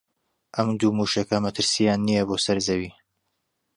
ئەم دوو مووشەکە مەترسییان نییە بۆ سەر زەوی